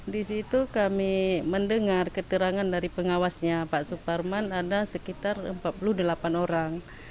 di situ kami mendengar keterangan dari pengawasnya pak suparman ada sekitar empat puluh delapan orang